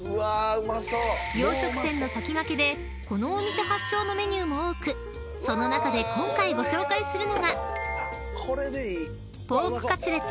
［洋食店の先駆けでこのお店発祥のメニューも多くその中で今回ご紹介するのが］